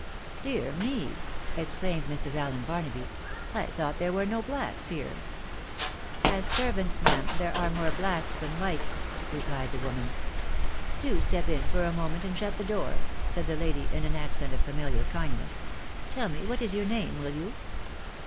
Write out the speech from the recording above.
" Dear me !" exclaimed Mrs. Allen Barnaby, " I thought there •were no blacks here." " As servants, ma'am, there are more blacks than whites," rephed the woman. " Do step in for a moment and shut the door,'' said the lady, in an accent of familiar kindness. " Tell me what is your name, will you